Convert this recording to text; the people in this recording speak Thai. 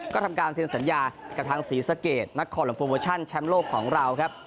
ก็ทำการเซ็นสัญญากับทางศรีสะเกดนักคอลัมโปรโมชั่นแชมป์โลกของเราครับ